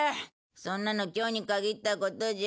そんなの今日に限ったことじゃ。